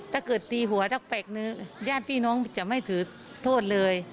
ถ้าเกิดตีหัวสักแปลกนึงญาติพี่น้องจะไม่ถือโทษเลย